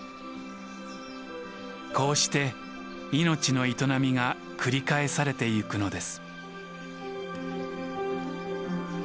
こうして命の営みが繰り返されていくのです。